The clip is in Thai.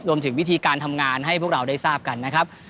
รวมถึงวิธีการทำงานให้พวกเราได้ทราบกันนะครับ